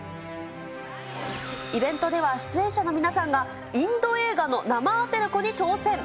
イベントでは、出演者の皆さんが、インド映画の生アテレコに挑戦。